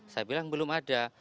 saya bilang belum ada